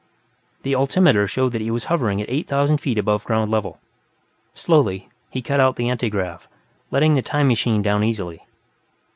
The altimeter showed that he was hovering at eight thousand feet above ground level. Slowly, he cut out the antigrav, letting the "time machine" down easily.